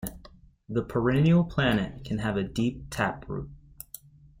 The perennial plant can have a deep taproot.